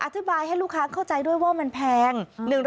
อธิบายให้ลูกค้าเข้าใจด้วยว่ามันแพง